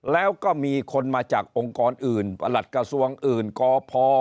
แล้วก็มีคนมาจากองค์กรอื่นประหลัดกระทรวงอื่นกพ